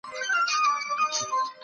خو ګټه یې د یو لوی شرکت ده.